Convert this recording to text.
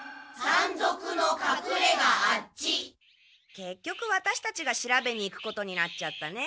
けっきょくワタシたちが調べに行くことになっちゃったね。